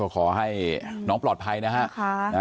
ขอให้น้องปลอดภัยนะฮะ